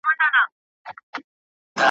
ویل کوچ وکړ یارانو ویل ړنګ سول محفلونه ,